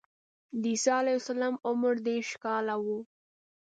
د عیسی علیه السلام عمر دېرش کاله و.